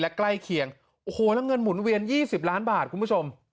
และใกล้เคียงโอ้โหแล้วเงินหมุนเวียน๒๐ล้านบาทคุณผู้ชม